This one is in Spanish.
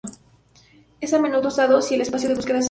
Es a menudo usado si el espacio de búsqueda es discreto.